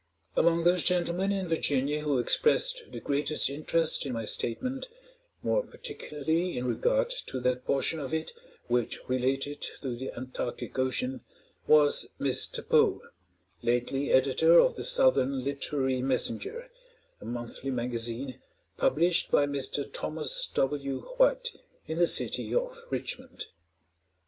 Among those gentlemen in Virginia who expressed the greatest interest in my statement, more particularly in regard to that portion of it which related to the Antarctic Ocean, was Mr. Poe, lately editor of the "Southern Literary Messenger," a monthly magazine, published by Mr. Thomas W. White, in the city of Richmond.